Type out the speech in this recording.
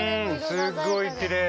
すごいきれい！